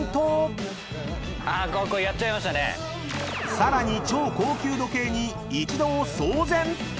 ［さらに超高級時計に一同騒然！］